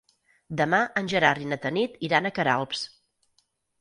Demà en Gerard i na Tanit iran a Queralbs.